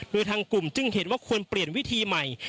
โดยทางกลุ่มจึงเห็นว่าควรเปลี่ยนวิธีใหม่